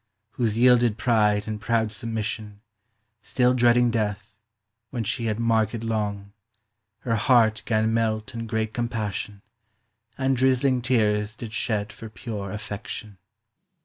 Whose yielded pryde and proud submission, Still dreading death, when she had marked k>ng, Her hart gan melt in great compassion ; And drizling teares did shed for pure affection.